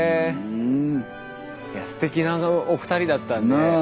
いやすてきなお二人だったんで。なあ。